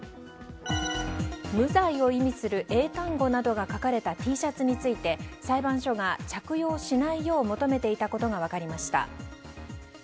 無罪を意味する英単語などが書かれたＴシャツについて裁判所が着用しないよう求めていたことが分かりました。